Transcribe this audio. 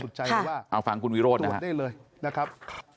ค่ะตรวจได้เลยนะครับครับเอาฟังคุณวิโรธนะครับ